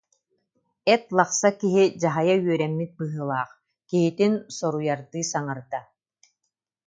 эт лахса киһи дьаһайа үөрэммит быһыылаах, киһитин соруйардыы саҥарда